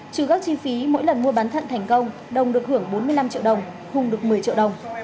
trừ các chi phí mỗi lần mua bán thận thành công đồng được hưởng bốn mươi năm triệu đồng hùng được một mươi triệu đồng